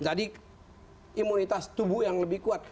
jadi imunitas tubuh yang lebih kuat